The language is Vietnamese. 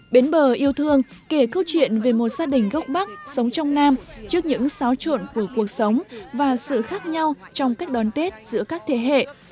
bến bờ yêu thương kể câu chuyện về một gia đình gốc bắc sống trong nam trước những xáo trộn của cuộc sống và sự khác nhau trong cách đón tết giữa các thế hệ